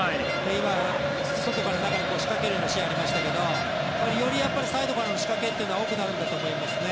今の外から中に仕掛けるようなシーンがありましたけどよりサイドからの仕掛けっていうのは多くなると思うんですね。